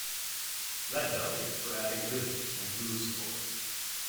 Lead Belly, for adding rhythm and blues chords.